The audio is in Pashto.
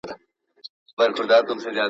یوه سړي ورباندي نوم لیکلی!